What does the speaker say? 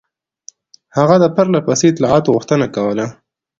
هغه د پرله پسې اطلاعاتو غوښتنه کوله.